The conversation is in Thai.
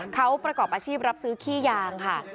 เขาประกอบอาชีพรับซื้อขี้ยางค่ะ